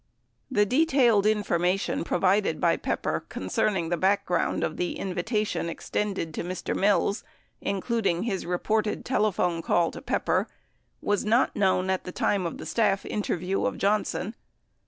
..." 72 The detailed information provided by Pepper concerning the back ground of the invitation extended to Mr. Mills including his reported telephone call to Pepper was not known at the time of the staff inter view of Johnson.